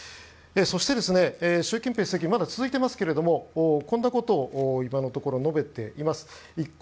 そして、習近平主席まだ続いていますがこんなことを今のところ述べています。